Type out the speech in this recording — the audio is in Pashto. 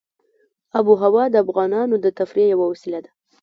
آب وهوا د افغانانو د تفریح یوه وسیله ده.